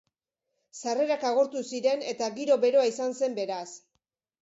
Sarrerak agortu ziren, eta giro beroa izan zen, beraz.